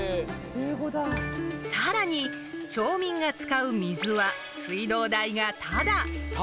さらに、町民が使う水は水道代がタダ！